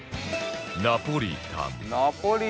ナポリタン？